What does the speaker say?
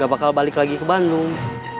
bakal balik lagi ke bandung